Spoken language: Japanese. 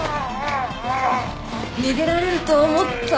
逃げられると思った？